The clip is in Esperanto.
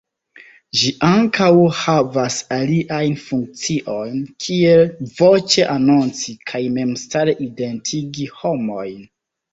Ĝi ankaŭ havas aliajn funkciojn, kiel voĉe anonci kaj memstare identigi homojn.